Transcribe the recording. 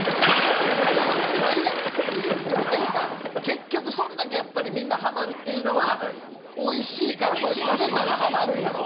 結局それだけやっぱりみんなハマるっていうのはおいしいからこれ食べたらハマるんやろ？